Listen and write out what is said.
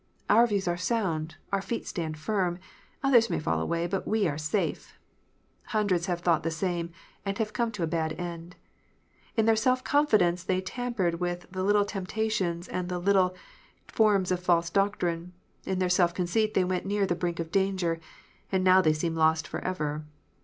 " Our views are sound : our feet stand firm : others may fall aAvay, but we are safe !" Hundreds have thought the same, and have come to a bad end. In their self confidence they tampered with little temptations and little forms of false doctrine; in their self conceit they went near the brink of danger ; and now they seem lost for ever.